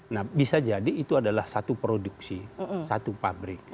nah bisa jadi itu adalah satu produksi satu pabrik